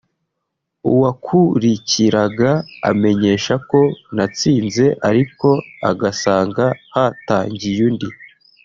uwakurikiraga amenyesha ko natsinze ariko agasanga hatangiyundi